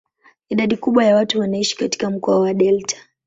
Idadi kubwa ya watu wanaishi katika mkoa wa delta.